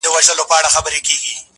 دادماغ دې له سنګاره مخکې نه وو